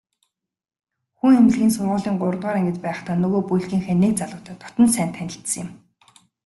Хүн эмнэлгийн сургуулийн гуравдугаар ангид байхдаа нөгөө бүлгийнхээ нэг залуутай дотно сайн танилцсан юм.